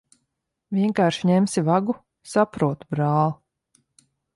Vienkārši ņemsi vagu? Saprotu, brāl'.